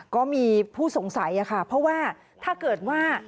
ก็มีผู้สงสัยค่ะเพราะว่าถ้าเกิดว่า